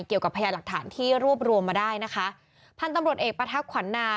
พยานหลักฐานที่รวบรวมมาได้นะคะพันธุ์ตำรวจเอกประทักษ์ขวัญนา